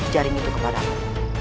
jaring itu kepadamu